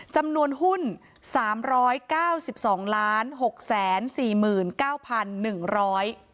จำนวนหุ้นสามร้อยเก้าสิบสองล้านหกแสนสี่หมื่นเก้าพันหนึ่งร้อย